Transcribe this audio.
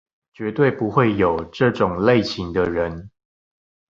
絕對不會有這種類型的人